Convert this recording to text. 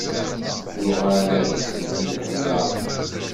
Yuɣal-as lhemm d arfiq.